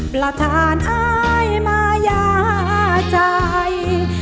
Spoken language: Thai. ประธานอายมายาใจ